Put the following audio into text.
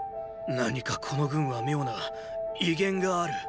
何かこの軍は妙な威厳がある。